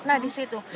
nah di situ